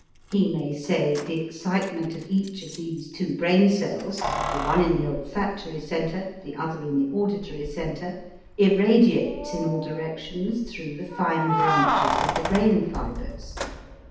He may say the excitement of each of these two brain cells, the one in the olfactory center, the other in the auditory center, irradiates in all directions through the fine branches of the brain fibers.